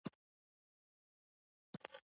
دا درون قسم سر درد وي